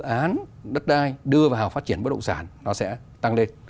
khi luật đất đai đưa vào phát triển bất động sản nó sẽ tăng lên